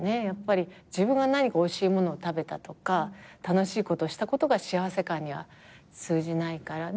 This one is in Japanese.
やっぱり自分が何かおいしいものを食べたとか楽しいことをしたことが幸せ感には通じないから。